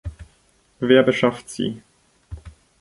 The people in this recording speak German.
Wer beschafft sie?